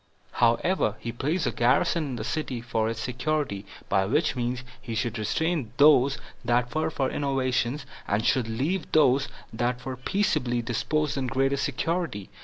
However, he placed a garrison in the city for its security, by which means he should restrain those that were for innovations, and should leave those that were peaceably disposed in greater security.